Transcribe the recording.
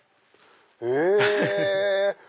へぇ！